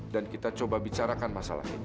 dan kita coba bicarakan masalah ini